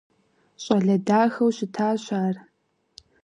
ЩӀалэ дахэу щытащ ар.